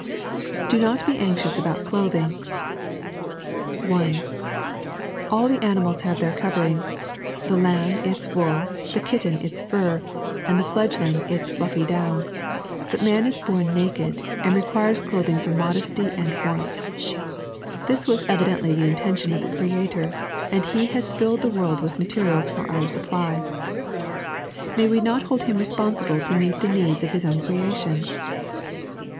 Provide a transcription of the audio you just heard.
Do KOT BE Asxious ABOUT Glothino. (1) All the anifmUa have their eovermg, the lamb its wool, the kitten its fur, the fledgling its AaSy down — but man is bom naked, and requires clothing for modesty and warmth. This was evidently the int«ntion of the Creator, and He has filled the world with the materials for our supply. May we not hold Him responsible to meet the needs of His own creation!